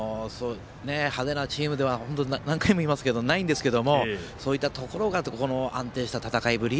派手なチームでは何回も言いますがないんですけどそういったところが安定した戦いぶり